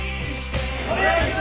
お願いします！